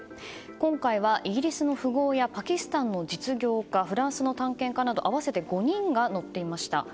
今回はイギリスの富豪やパキスタンの実業家フランスの探検家など合わせて５人が乗っていました。